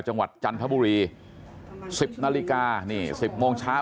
จังหวัดจันทบุรี๑๐นาฬิกานี่๑๐โมงเช้า